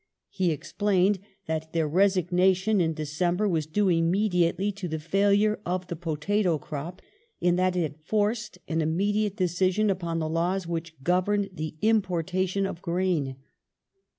He explained that their resignation in December was due immediately to the failure of the potato crop, in that it had forced an immediate decision upon the laws which governed the importation of grain.